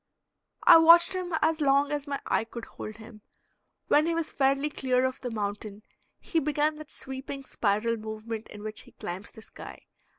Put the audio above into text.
I watched him as long as my eye could hold him. When he was fairly clear of the mountain he began that sweeping spiral movement in which he climbs the sky.